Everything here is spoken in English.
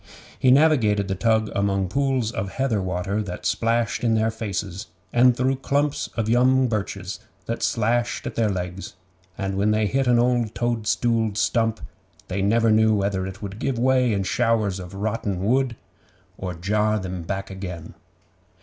He navigated the tug among pools of heather water that splashed in their faces, and through clumps of young birches that slashed at their legs, and when they hit an old toadstooled stump, they never knew whether it would give way in showers of rotten wood, or jar them back again.